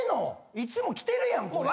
いつも着てるやんこれ。